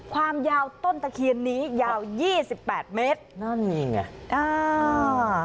ความยาวต้นตะเคียนนี้ยาวยี่สิบแปดเมตรนั่นนี่ไงอ่า